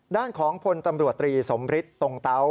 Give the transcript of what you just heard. ด้านของพลตำรวจตรีสมฤทธิ์ตรงเตา